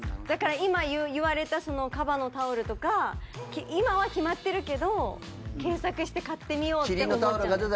だから今言われたカバのタオルとか今は決まってるけど検索して買ってみようって思っちゃう。